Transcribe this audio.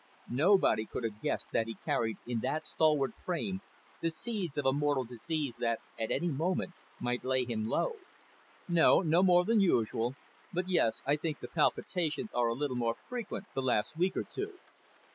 Nobody could have guessed that he carried in that stalwart frame the seeds of a mortal disease that, at any moment, might lay him low. "No, no more than usual. But yes, I think the palpitations are a little more frequent the last week or two."